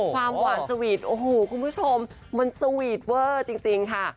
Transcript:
ความหวานสวีทโอ้โหคุณผู้ชมมันสวีทเวอร์จริงค่ะ